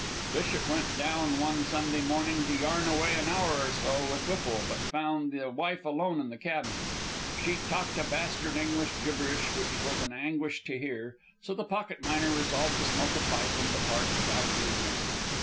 Bishop went down one Sunday morning to yarn away an hour or so with Whipple, but found the wife alone in the cabin. She talked a bastard English gibberish which was an anguish to hear, so the pocket miner resolved to smoke a pipe and depart without rudeness.